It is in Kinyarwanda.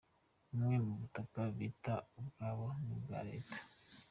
Bumwe mu butaka bita ubwabo ni ubwa Leta’.